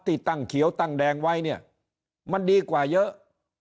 ที่ตั้งเขียวตั้งแดงไว้เนี่ยมันดีกว่าเยอะ